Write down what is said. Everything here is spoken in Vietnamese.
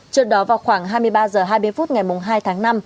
trước đó vào khoảng hai mươi ba h hai mươi phút ngày hai tháng năm